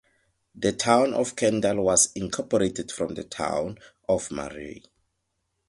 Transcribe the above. The Town of Kendall was incorporated from the Town of Murray.